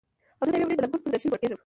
او زه د یوې ونې د لنګون پر درشل مړه کیږم